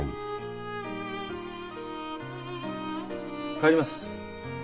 帰ります。